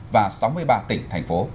và sáu mươi sáu tỉnh thành phố